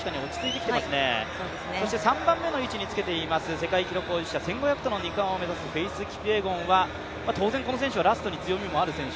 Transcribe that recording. そして３番目の位置につけています、世界記録保持者１５００との２冠を目指すフェイス・キピエゴンは、当然この選手はラストに強みがある選手。